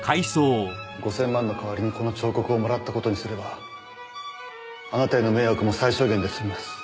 ５０００万の代わりにこの彫刻をもらった事にすればあなたへの迷惑も最小限で済みます。